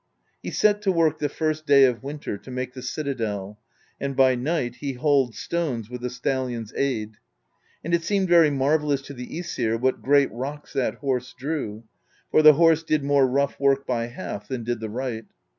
He set to work the first day of winter to make the citadel, and by night he hauled stones with the stal lion's aid; and it seemed very marvellous to the ^Esir what great rocks that horse drew, for the horse did more rough work by half than did the wright.